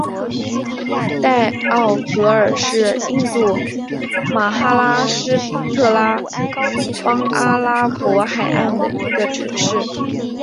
代奥格尔是印度马哈拉施特拉邦阿拉伯海岸的一个城市。